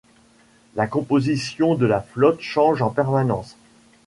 La composition de la flotte change en permanence.